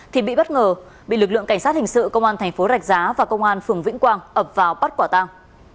thì bị bất ngờ bị lực lượng cảnh sát hình sự công an tp rạch giá và công an phường vĩnh quang ập vào bắt quả tăng